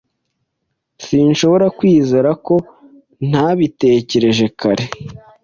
Sinshobora kwizera ko ntabitekereje kare.